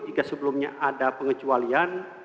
jika sebelumnya ada pengecualian